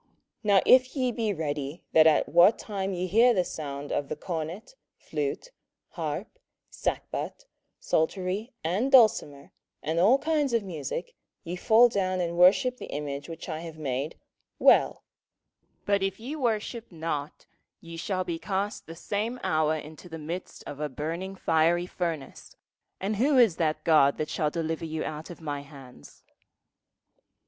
27:003:015 Now if ye be ready that at what time ye hear the sound of the cornet, flute, harp, sackbut, psaltery, and dulcimer, and all kinds of musick, ye fall down and worship the image which I have made; well: but if ye worship not, ye shall be cast the same hour into the midst of a burning fiery furnace; and who is that God that shall deliver you out of my hands?